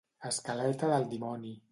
Escaleta del dimoni.